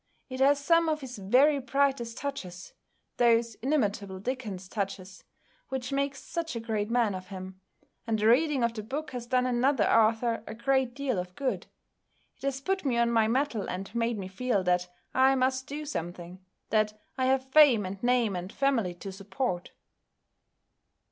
It has some of his very brightest touches those inimitable Dickens touches which make such a great man of him. And the reading of the book has done another author a great deal of good.... It has put me on my mettle and made me feel that I must do something; that I have fame and name and family to support."